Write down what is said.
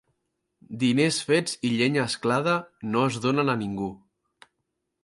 Diners fets i llenya asclada no es donen a ningú.